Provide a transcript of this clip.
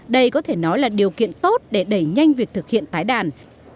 đây có thể nói là điều kiện tốt để đẩy nhanh việc thực hiện tái đàn